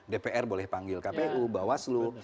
dpr boleh panggil kpu bawaslu